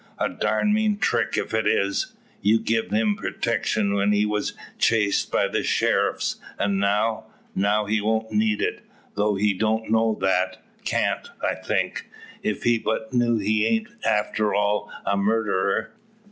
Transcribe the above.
"A darned mean trick if it is. You gied him protection when he was chased by the sheriffs, an' now " "Now, he won't need it; though he don't know that; can't, I think. If he but knew he ain't after all a murderer!